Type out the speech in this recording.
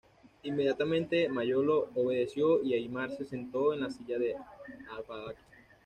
Inmediatamente Mayolo obedeció y Aimar se sentó en la silla del abad.